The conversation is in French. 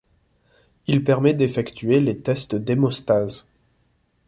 Il permet d'effectuer les tests d'hémostase.